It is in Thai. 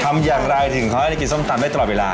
ทำอย่างไรถึงเขาให้ได้กินส้มตำได้ตลอดเวลา